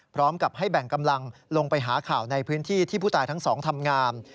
พร้อมกับให้แบ่งกำลังลงไปหาข่าวในพื้นที่ที่ผู้ตายทั้งสองทำงาม